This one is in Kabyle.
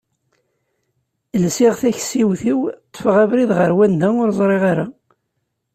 lsiɣ takessiwt-iw ṭfeɣ abrid ɣer wanda ur ẓriɣ ara.